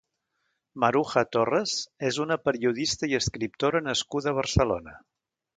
Maruja Torres és una periodista i escriptora nascuda a Barcelona.